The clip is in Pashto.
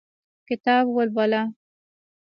کتاب ولوله